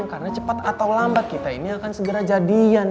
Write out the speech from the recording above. karena cepat atau lambat kita ini akan segera jadian